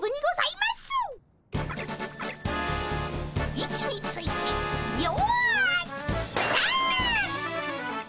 位置についてよいどん！